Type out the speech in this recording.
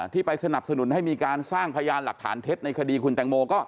ที่ไปสนับสนุนให้มีการสร้างพยานหลักฐานเท็จในคดีคุณแตงโม